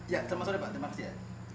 ya selamat sore pak terima kasih ya